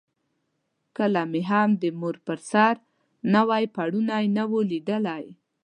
کله مې هم د مور پر سر نوی پوړونی نه وو لیدلی.